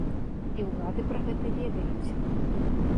І ўлады пра гэта ведаюць.